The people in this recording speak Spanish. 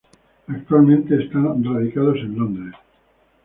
Actualmente están radicados en Londres.